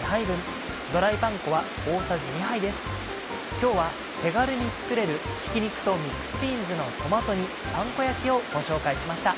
今日は手軽に作れる「ひき肉とミックスビーンズのトマト煮パン粉焼き」をご紹介しました。